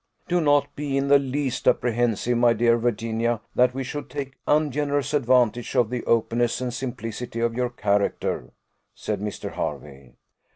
"Do not be in the least apprehensive, my dear Virginia, that we should take ungenerous advantage of the openness and simplicity of your character," said Mr. Hervey.